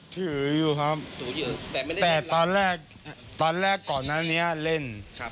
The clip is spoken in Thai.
ถืออยู่ครับแต่ตอนแรกก่อนหน้านี้เล่น